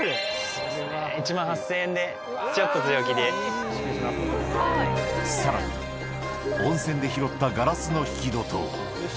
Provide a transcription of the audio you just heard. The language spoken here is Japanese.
１万８０００円で、ちょっと強気で、さらに、温泉で拾ったガラスの引き戸と。